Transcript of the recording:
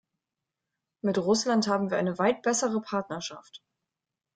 Mit Russland haben wir eine weit bessere Partnerschaft.